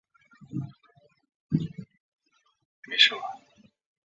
越剧演员列表是一个包含不同时期越剧演员的列表。